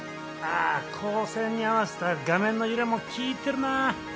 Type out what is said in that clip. ああ光線に合わせた画面のゆれもきいてるな。